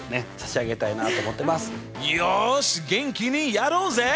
よし元気にやろうぜ！